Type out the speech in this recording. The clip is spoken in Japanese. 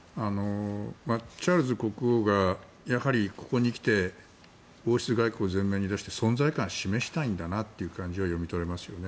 チャールズ国王がやはりここに来て王室外交を前面に出して存在感を示したいんだなという感じは読み取れますよね。